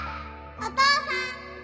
お父さん！